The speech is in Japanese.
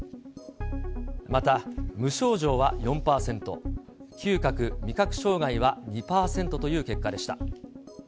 また、無症状は４％、嗅覚・味覚障害は２％という結果でした。